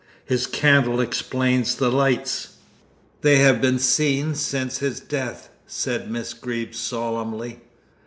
His candle explains the lights." "They have been seen since his death," said Miss Greeb solemnly.